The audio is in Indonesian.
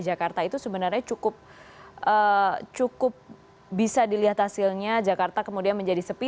jakarta itu sebenarnya cukup bisa dilihat hasilnya jakarta kemudian menjadi sepi